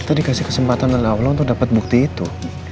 kita dikasih kesempatan dari allah untuk dapet bukti itu